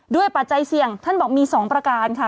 ปัจจัยเสี่ยงท่านบอกมี๒ประการค่ะ